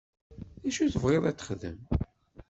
Acu tebɣiḍ ad t-texdem?